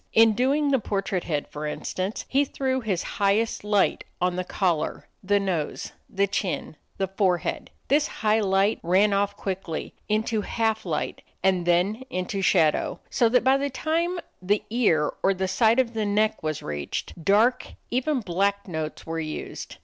In doing the portrait head, for instance, he threw his highest light on the collar, the nose, the chin, the forehead. This high light ran off quickly into half light and then into shadow, so that by the time the ear or side of the neck was reached, dark, even black, notes were used.